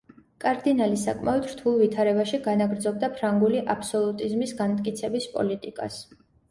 კარდინალი საკმაოდ რთულ ვითარებაში განაგრძობდა ფრანგული აბსოლუტიზმის განმტკიცების პოლიტიკას.